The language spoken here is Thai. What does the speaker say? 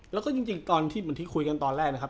แล้วก็จริงตอนที่คุยกันตอนแรกนะครับ